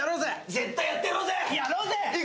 絶対やってやろうぜ。